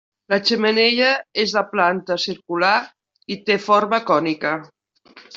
La xemeneia és de planta circular i té forma cònica.